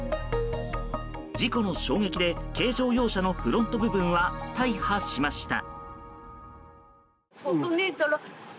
事故の衝撃で軽乗用車のフロント部分は大破しました。